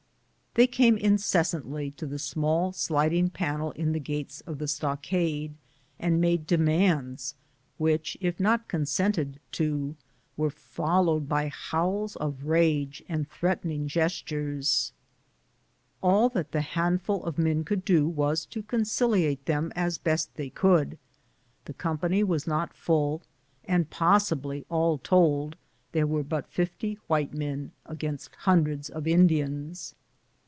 They came in cessantly to the small sliding panel in the gates of the stockade, and made demands, which, if not con CAMPING AMONG THE SIOUX. 55 sented to, were followed by howls of rage and threaten ing gestures. All that the handful of men could do was to conciliate them as best they could. The company was not full, and possibly, all told, there were but fifty white men against hundreds of Indians.